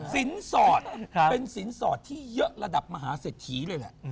สินสอดเป็นสินสอดที่เยอะระดับมหาเศรษฐีเลยแหละ